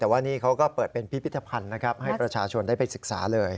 แต่ว่านี่เขาก็เปิดเป็นพิพิธภัณฑ์นะครับให้ประชาชนได้ไปศึกษาเลย